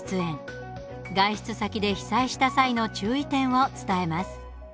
外出先で被災した際の注意点を伝えます。